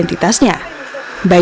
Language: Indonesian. pertama petugas mencocokkan istilahnya